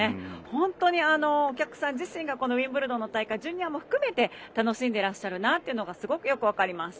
本当にお客さん自身がウィンブルドンの大会をジュニアも含めて楽しんでらっしゃるのがすごくよく分かります。